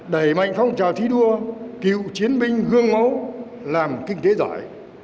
đẩy mạnh phong trào thi đua cựu chiến binh gương mẫu làm kinh tế giỏi